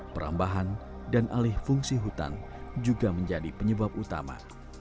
perambahan dan alih fungsi hutan juga menjadi penyebab utama